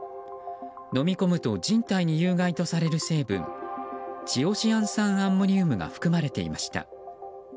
飲み込むと人体に有害とされる成分チオシアン酸アンモニウムが含まれていました。